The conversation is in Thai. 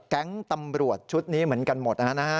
ตำรวจชุดนี้เหมือนกันหมดนะฮะ